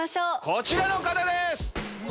こちらの方です！